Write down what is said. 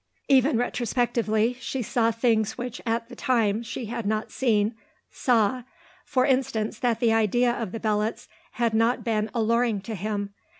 Even retrospectively she saw things which at the time she had not seen, saw, for instance, that the idea of the Belots had not been alluring to him.